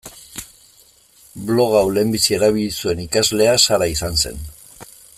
Blog hau lehenbizi erabili zuen ikaslea Sara izan zen.